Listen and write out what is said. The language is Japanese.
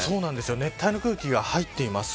熱帯の空気が入っています。